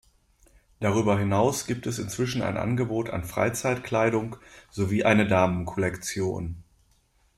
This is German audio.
Darüber hinaus gibt es inzwischen ein Angebot an Freizeitkleidung sowie eine Damenkollektion.